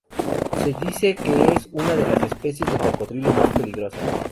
Se dice que es una de las especies de cocodrilo más peligrosas.